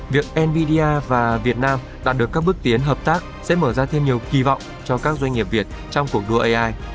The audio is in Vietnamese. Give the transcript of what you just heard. việc nvidia và việt nam đạt được các bước tiến hợp tác sẽ mở ra thêm nhiều kỳ vọng cho các doanh nghiệp việt trong cuộc đua ai